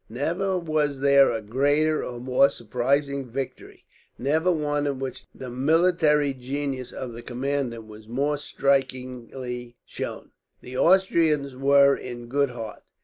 Never was there a greater or more surprising victory, never one in which the military genius of the commander was more strikingly shown. The Austrians were in good heart.